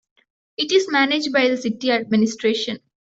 It is managed by the city administration.